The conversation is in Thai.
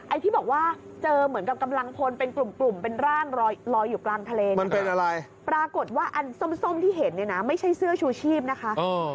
ไอ้ที่บอกว่าเจอเหมือนกับกำลังพลเป็นกลุ่มกลุ่มเป็นร่างลอยอยู่กลางทะเลเนี่ยมันเป็นอะไรปรากฏว่าอันส้มที่เห็นเนี่ยนะไม่ใช่เสื้อชูชีพนะคะ